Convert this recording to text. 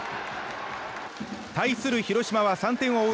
対する広島は３点を追う